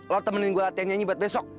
lo temenin gue latihan nyanyi buat besok